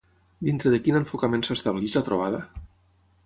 Dintre de quin enfocament s'estableix la trobada?